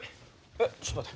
えっちょっと待って。